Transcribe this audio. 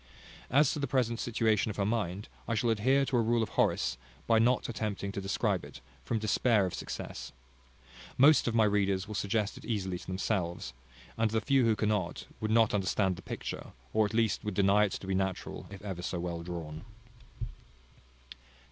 As to the present situation of her mind, I shall adhere to a rule of Horace, by not attempting to describe it, from despair of success. Most of my readers will suggest it easily to themselves; and the few who cannot, would not understand the picture, or at least would deny it to be natural, if ever so well drawn.